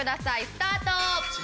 スタート！